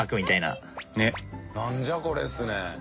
「なんじゃこれ！」っすね。